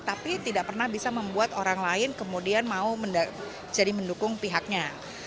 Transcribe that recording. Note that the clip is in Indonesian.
tapi tidak pernah bisa membuat orang lain kemudian mau jadi mendukung pihaknya